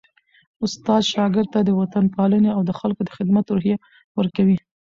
استاد شاګرد ته د وطنپالني او د خلکو د خدمت روحیه ورکوي.